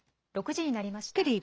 ６時になりました。